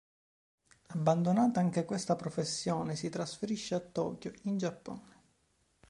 Abbandonata anche questa professione, si trasferisce a Tokyo, in Giappone.